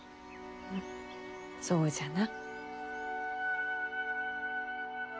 そうじゃな。